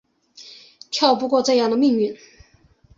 逃不过这样的命运